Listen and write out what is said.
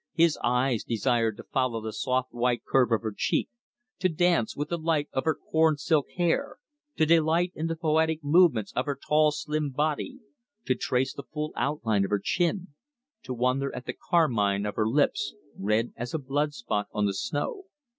His eyes desired to follow the soft white curve of her cheek, to dance with the light of her corn silk hair, to delight in the poetic movements of her tall, slim body, to trace the full outline of her chin, to wonder at the carmine of her lips, red as a blood spot on the snow.